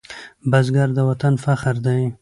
بزګر د وطن فخر دی